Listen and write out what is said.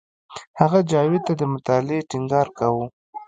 هغه جاوید ته د مطالعې ټینګار کاوه